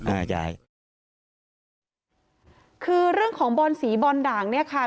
อ่ายายคือเรื่องของบอนสีบอลด่างเนี่ยค่ะ